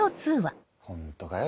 ホントかよ？